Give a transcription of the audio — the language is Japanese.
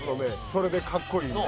それでかっこいい。